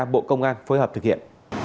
bộ công an phối hợp thực hiện